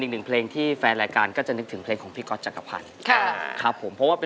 อะมาถึงเพลงที่สองกันเลยดีกว่านะครับคุณเต้ครับ